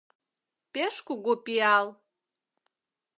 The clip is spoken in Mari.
Пеш кугу пиал!